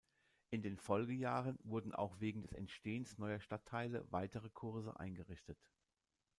In den Folgejahren wurden auch wegen des Entstehens neuer Stadtteile weitere Kurse eingerichtet.